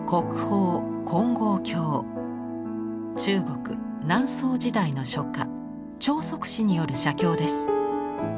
中国南宋時代の書家張即之による写経です。